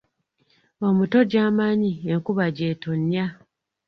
Omuto gy'amanyi enkuba gy'etonnya.